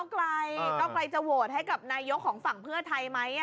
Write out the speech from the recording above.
เก้าไกลจะโหวตให้กับนายกของฝั่งเพื่อไทยไหม